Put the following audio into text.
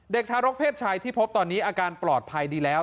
ทารกเพศชายที่พบตอนนี้อาการปลอดภัยดีแล้ว